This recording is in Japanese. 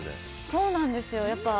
そうなんですよ。